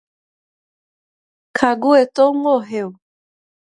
Caguetou, morreu